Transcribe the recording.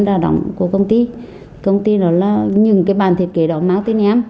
các đồng của công ty công ty đó là những cái bản thiết kế đó mang tên em